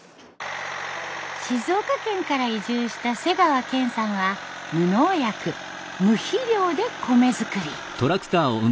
静岡県から移住した瀬川健さんは無農薬無肥料で米作り。